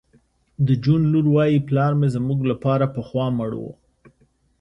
د جون لور وایی پلار مې زموږ لپاره پخوا مړ و